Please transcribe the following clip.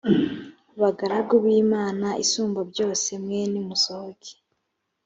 bagaragu b imana isumbabyose mwe nimusohoke